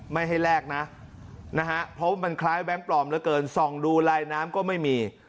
ไม่ให้แลกนะนะฮะเพราะมันคล้ายแบงค์ปลอมเหลือเกินส่องดูลายน้ำก็ไม่มี